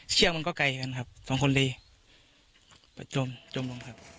เชือกมันก็ไกลกันครับสองคนเลยไปจมจมลงครับ